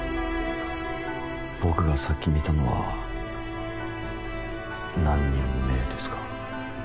僕がさっき見たのは何人目ですか？